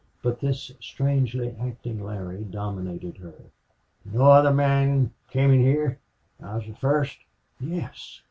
But this strangely acting Larry dominated her. "No other man came in heah? I was the first?" "Yes."